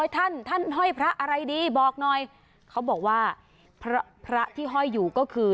ท่านท่านห้อยพระอะไรดีบอกหน่อยเขาบอกว่าพระที่ห้อยอยู่ก็คือ